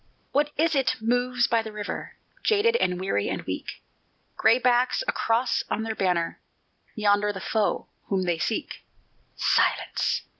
What is it moves by the river, Jaded and weary and weak, Gray backs a cross on their banner Yonder the foe whom they seek. Silence!